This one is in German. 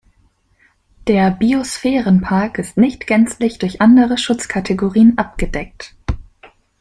Der Biosphärenpark ist nicht gänzlich durch andere Schutzkategorien abgedeckt.